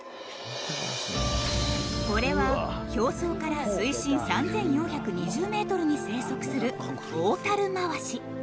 これは表層から水深３４２０ｍに生息する「オオタルマワシ」